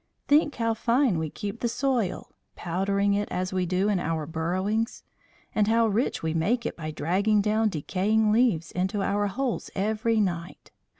Think how fine we keep the soil, powdering it as we do in our burrowings! And how rich we make it by dragging down decaying leaves into our holes every night.